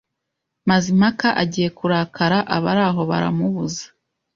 Mazimpaka agiye kurakara, abari aho baramubuza